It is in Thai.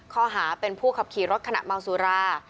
ข้อหาเป็นผู้ขับขี่รถขณะเมาสุรา